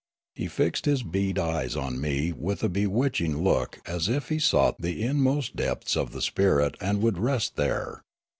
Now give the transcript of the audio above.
He fixed his bead eyes on me with a bewitch ing look as if he sought the inmost depths of the spirit and would rest there.